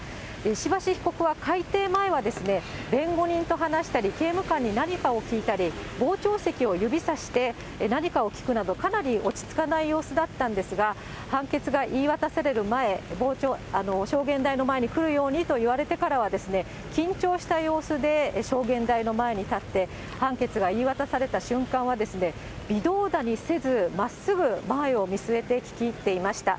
石橋被告は開廷前は弁護人と話したり、刑務官に何かを聞いたり、傍聴席を指さして、何かを聞くなど、かなり落ち着かない様子だったんですが、判決が言い渡される前、証言台の前に来るようにと言われてからは、緊張した様子で、証言台の前に立って、判決が言い渡された瞬間はですね、微動だにせず、まっすぐ前を見据えて聞き入っていました。